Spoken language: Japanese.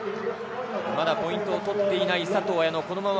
まだポイントを取っていない佐藤綾乃。